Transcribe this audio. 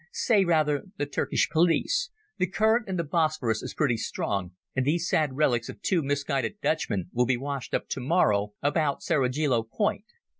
"Say rather the Turkish police. The current in the Bosporus is pretty strong, and these sad relics of two misguided Dutchmen will be washed up tomorrow about Seraglio Point.